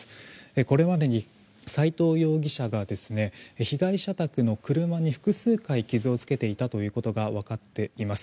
これまでに斎藤容疑者が被害者宅の車に複数回傷をつけていたということが分かっています。